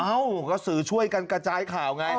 เอ้าก็สื่อช่วยกันกระจายข่าวไง